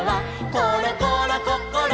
「ころころこころ